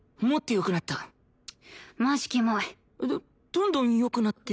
どんどん良くなって。